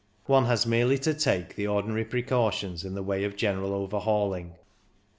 One has merely to take the ordinary precautions in the way of general overhauling.